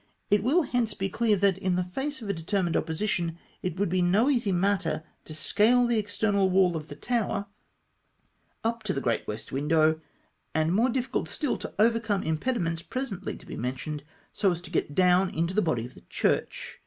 It will hence be clear that, in the face of a determined opposition, it would be no easy matter to scale the external wall of the tower up to the great 304 NATURE OF OUR OPERATIONS. west window, and more difficult still to overcome im pediments presently to be mentioned, so as to get down into tlie body of tlie cliurch.